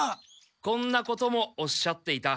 こんなこともおっしゃっていた。